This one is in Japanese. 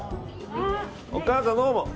お母さん、どうも。